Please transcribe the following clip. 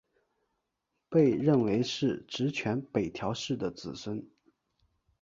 被认为是执权北条氏的子孙。